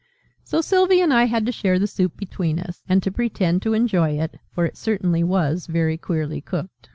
So Sylvie and I had to share the soup between us, and to pretend to enjoy it, for it certainly was very queerly cooked.